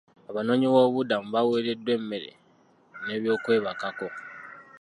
Abanoonyiboobubudamu baweereddwa emmere n'ebyokwebwako.